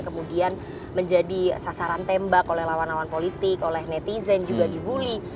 kemudian menjadi sasaran tembak oleh lawan lawan politik oleh netizen juga dibully